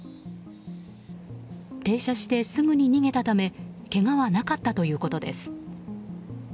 停車してすぐに逃げたためけがはなかったということです。